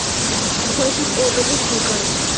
ქუთაისის „ტორპედოს“ მეკარე.